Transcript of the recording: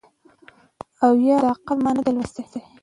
او یا حد اقل ما نه دی لوستی .